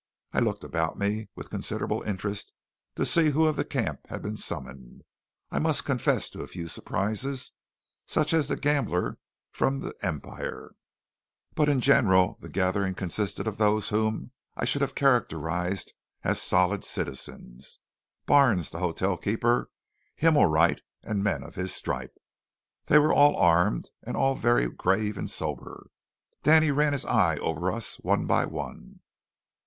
I looked about me with considerable interest to see who of the camp had been summoned. I must confess to a few surprises, such as the gambler from the Empire, but in general the gathering consisted of those whom I should have characterized as solid citizens Barnes, the hotel keeper, Himmelwright, and men of his stripe. They were all armed, and all very grave and sober. Danny ran his eye over us one by one.